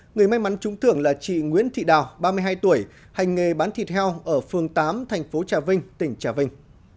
người may mắn trúng tưởng là chị nguyễn thị đào ba mươi hai tuổi hành nghề bán thịt heo ở phường tám thành phố trà vinh tỉnh trà vinh